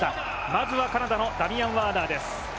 まずはカナダのダミアン・ワーナーです。